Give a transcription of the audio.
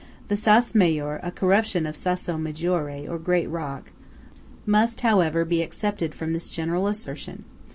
The Sas Maor–a corruption of Sasso Maggiore, or Great Rock–must, however, be excepted from this general assertion.